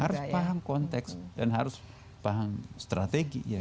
harus paham konteks dan harus paham strategi